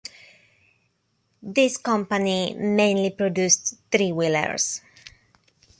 This company mainly produced three-wheelers.